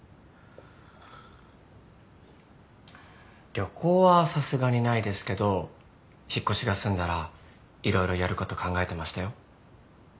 旅行はさすがにないですけど引っ越しが済んだら色々やること考えてましたよ。